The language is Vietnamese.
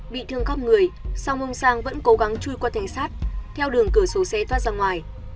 bị thương góp người song ông sang vẫn cố gắng chui qua thanh sát theo đường cửa số xe thoát ra ngoài